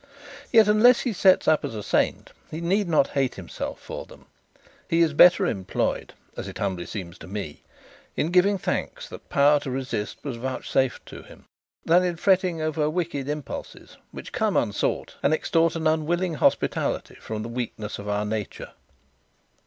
Yet, unless he sets up as a saint, he need not hate himself for them. He is better employed, as it humbly seems to me, in giving thanks that power to resist was vouchsafed to him, than in fretting over wicked impulses which come unsought and extort an unwilling hospitality from the weakness of our nature.